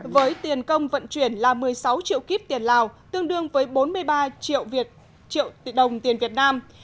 với tiền công vận chuyển là một mươi sáu triệu kíp tiền lào tương đương với bốn mươi ba triệu việt triệu đồng tiền việt nam